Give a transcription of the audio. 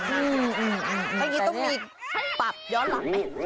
เฮ้ยกี้ต้องมีปรับย้อนหลังเอง